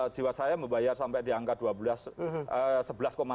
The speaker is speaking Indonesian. jiwasraya membayar sampai di angka dua belas